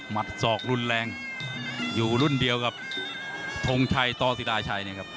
ศอกรุนแรงอยู่รุ่นเดียวกับทงชัยต่อศิราชัยเนี่ยครับ